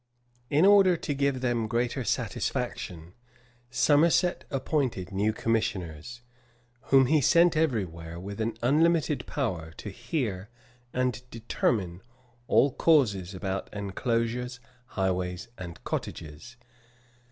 In order to give them greater satisfaction, Somerset appointed new commissioners, whom he sent every where, with an unlimited power to hear and determine all causes about enclosures, highways, and cottages.